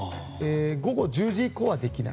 午後１０時以降はできない。